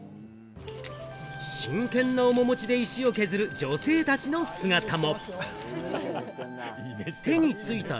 真剣な面持ちで石を削る女性たちの姿も。